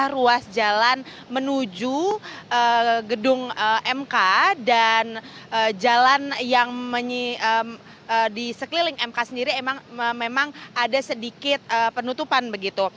ruas jalan menuju gedung mk dan jalan yang di sekeliling mk sendiri memang ada sedikit penutupan begitu